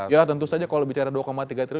ya tentu saja kalau bicara dua tiga triliun